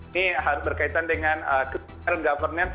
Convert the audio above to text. ini berkaitan dengan digital governance